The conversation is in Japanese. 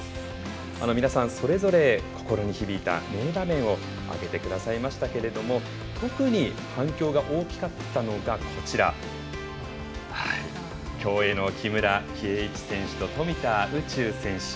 皆さんそれぞれ心に響いた名場面を挙げてくださいましたけれども特に反響が大きかったのが競泳の木村敬一選手と富田宇宙選手。